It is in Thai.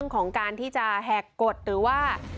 ของการที่จะแหกกฎหรือว่า